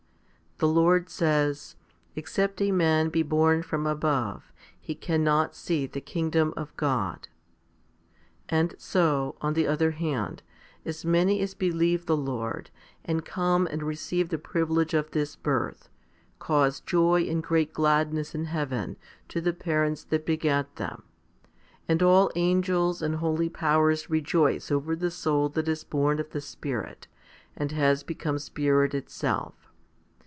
The Lord says, Except a man be born from above, he cannot see the kingdom of God. 1 And so, on the other hand, as many as believe the Lord, and come and receive the privilege of this birth, cause joy and great gladness in heaven to the parents that begat them ; and all angels and holy powers rejoice over the soul that is born of the Spirit and has become spirit itself.